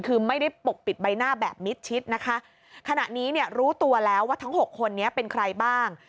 คือไม่ได้ปกปิดใบหน้าแบบมิดชิดนะคะขณะนี้เนี่ยรู้ตัวแล้วว่าทั้งหกคนนี้เป็นใครบ้าง